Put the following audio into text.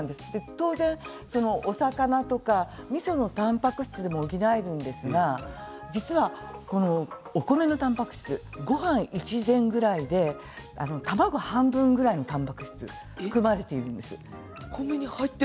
当然お魚とかみそもたんぱく質も補えるんですが実はお米のたんぱく質ごはん１膳ぐらいで卵半分ぐらいのたんぱく質が含まれているんです。